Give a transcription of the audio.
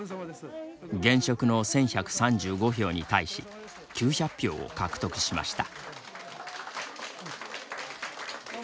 現職の１１３５票に対し９００票を獲得しました。